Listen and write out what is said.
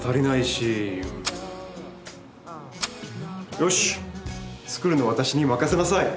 よし作るのは私に任せなさい。